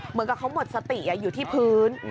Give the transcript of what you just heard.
เหมือนกับเขาหมดสติอยู่ที่พื้น